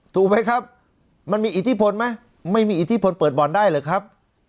ถูกไหมครับมันมีอิทธิพลไหมไม่มีอิทธิพลเปิดบ่อนได้หรือครับ